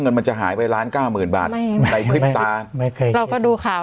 เงินมันจะหายไปล้านเก้าหมื่นบาทในคลิปตาไม่เคยเราก็ดูข่าว